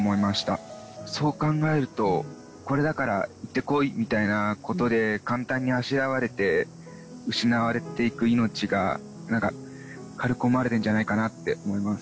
そう考えるとこれだから行ってこいみたいなことで簡単にあしらわれて失われていく命が何か軽く思われてんじゃないかなって思います。